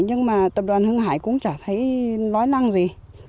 nhưng mà tập đoàn hưng hải cũng chả thấy nói năng gì